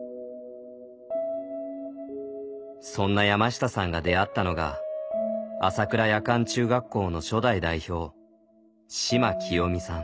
そんな山下さんが出会ったのが朝倉夜間中学校の初代代表嶋清三さん。